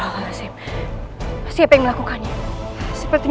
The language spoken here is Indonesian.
penjaga itu sudah terkena ajian serepku